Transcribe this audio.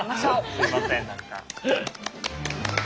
すいません何か。